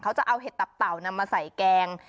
เขาจะเอาเห็ดตับเต่านำมาใส่แกง